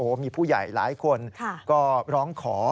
โอ้โหมีผู้ใหญ่หลายคนก็ร้องขอ